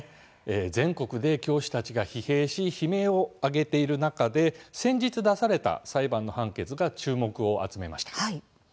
全国で教師たちが悲鳴を上げている中、先日出された裁判の判決が注目を集めました。